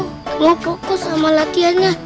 kamu fokus sama latihannya